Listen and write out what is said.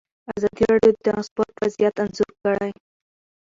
ازادي راډیو د ترانسپورټ وضعیت انځور کړی.